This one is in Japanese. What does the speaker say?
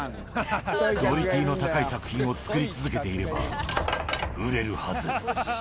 クオリティの高い作品を作り続けていれば、売れるはず。